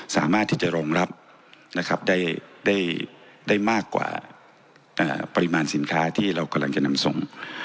สามารถรองรับได้มากกว่าปริมาณสินค้าที่เรากำลังจะนำส่ง